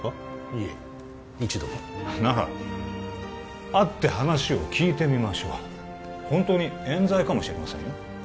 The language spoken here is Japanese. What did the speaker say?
いえ一度もなら会って話を聞いてみましょうホントに冤罪かもしれませんよ